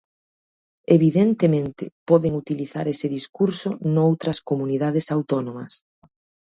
Evidentemente, poden utilizar ese discurso noutras comunidades autónomas.